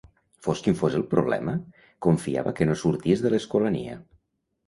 Fos quin fos el problema, confiava que no sortís de l'Escolania.